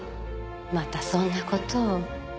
またそんな事を。